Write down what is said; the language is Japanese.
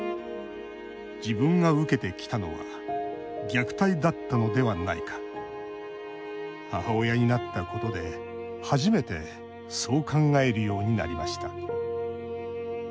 「自分が受けてきたのは虐待だったのではないか」。母親になったことで初めてそう考えるようになりました。